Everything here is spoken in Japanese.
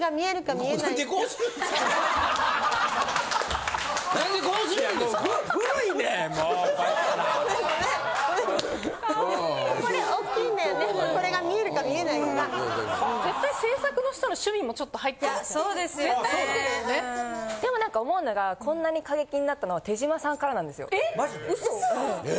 ・そうですよねうん・でも何か思うのがこんなに過激になったのは手島さんからなんですよ。え！？うそ！え！